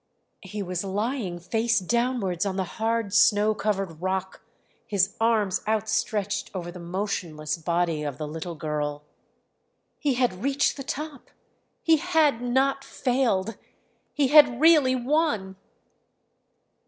he was lying face downwards on the hard snow covered rock, his arms outstretched over the motionless body of the little girl. He had reached the top, he had not failed!... he had really won!